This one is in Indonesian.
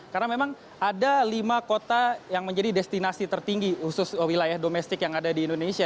karena memang ada lima kota yang menjadi destinasi tertinggi khusus wilayah domestik yang ada di indonesia